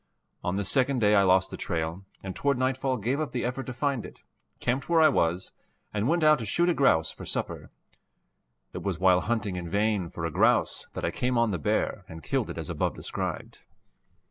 On this second day I lost the trail, and toward nightfall gave up the effort to find it, camped where I was, and went out to shoot a grouse for supper. It was while hunting in vain for a grouse that I came on the bear and killed it as above described.